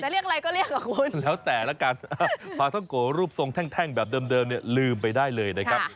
ปลาท่องโกรูปทรงแท่งแบบเดิมลืมไปได้เลยนะครับ